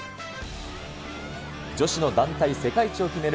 女子の団体世界一を決める